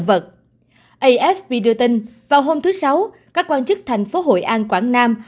vật afp đưa tin vào hôm thứ sáu các quan chức thành phố hội an quảng nam